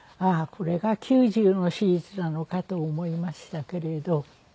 これが９０の手術なのかと思いましたけれど。